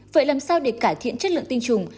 vậy làm sao để cải thiện chất lượng tinh trùng